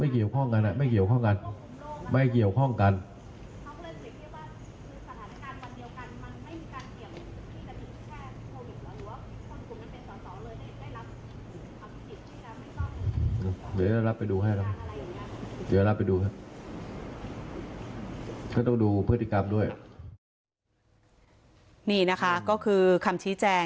อคุณบ๊วยบรรยายน้ำครับ